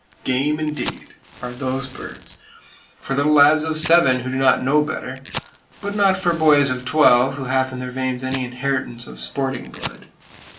"Game" indeed, are those birds,—for little lads of seven who do not know better; but not for boys of twelve who have in their veins any inheritance of sporting blood.